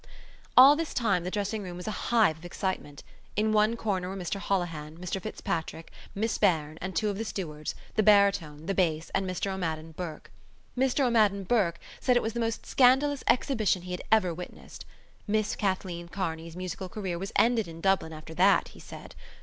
All this time the dressing room was a hive of excitement. In one corner were Mr Holohan, Mr Fitzpatrick, Miss Beirne, two of the stewards, the baritone, the bass, and Mr O'Madden Burke. Mr O'Madden Burke said it was the most scandalous exhibition he had ever witnessed. Miss Kathleen Kearney's musical career was ended in Dublin after that, he said.